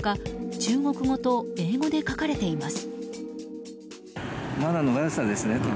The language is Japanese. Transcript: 中国語と英語で書かれています。